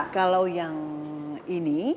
kalau yang ini